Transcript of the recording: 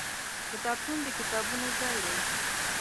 کتابتون د کتابونو ځای دی.